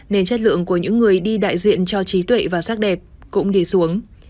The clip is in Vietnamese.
nên chất lượng của những người đi đại diện cho trí tuệ và sắc đẹp cũng đi xuống